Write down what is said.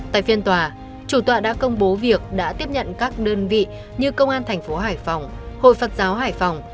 tại phiên tòa chủ tọa đã công bố việc đã tiếp nhận các đơn vị như công an thành phố hải phòng hội phật giáo hải phòng